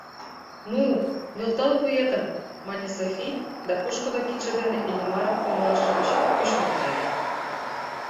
— Ну, нӧлтал вуетым! — мане Софи да пушкыдо кидше дене Иллимарым оҥылашыж гыч кӱш нӧлтале.